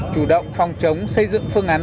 chủ động phòng chống xây dựng phương án